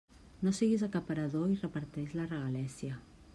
No siguis acaparador i reparteix la regalèssia.